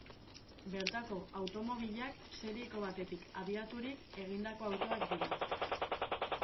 Bertako automobilak serieko batetik abiaturik egindako autoak dira.